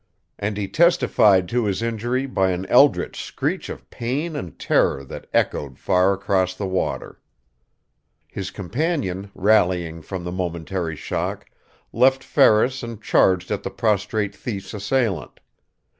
And he testified to his injury by an eldritch screech of pain and terror that echoed far across the water. His companion, rallying from the momentary shock, left Ferris and charged at the prostrate thief's assailant.